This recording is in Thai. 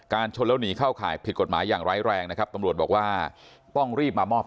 การชนแล้วหนีเข้าข่ายผิดกฎหมายอย่างไร้แรงนะครับ